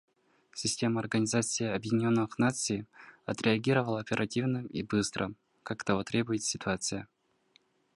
Система Организации Объединенных Наций отреагировала оперативно и быстро, как того требует ситуация.